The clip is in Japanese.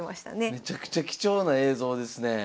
めちゃくちゃ貴重な映像ですねえ。